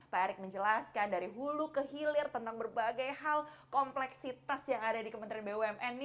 pak erick menjelaskan dari hulu ke hilir tentang berbagai hal kompleksitas yang ada di kementerian bumn ini